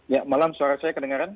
ya malam suara saya kedengaran